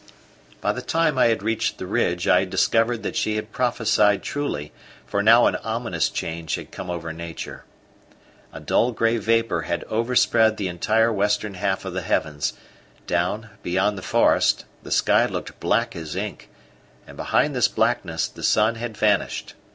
By the time I reached the ridge, I had discovered that she had prophesied truly, for now an ominous change had come over nature. A dull grey vapour had overspread the entire western half of the heavens; down, beyond the forest, the sky looked black as ink, and behind this blackness the sun had vanished.